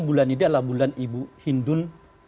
bulan ini adalah bulan ibu hindul